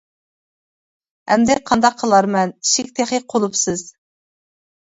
ئەمدى قانداق قىلارمەن، ئىشىك تېخى قۇلۇپسىز.